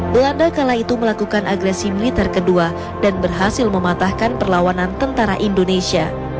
belanda kala itu melakukan agresi militer kedua dan berhasil mematahkan perlawanan tentara indonesia